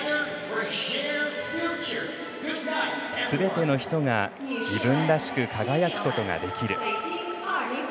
すべての人が自分らしく輝くことができる。